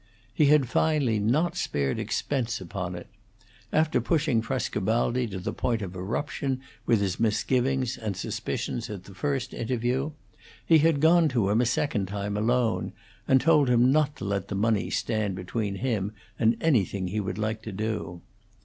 He had finally not spared expense upon it; after pushing Frescobaldi to the point of eruption with his misgivings and suspicions at the first interview, he had gone to him a second time alone, and told him not to let the money stand between him and anything he would like to do.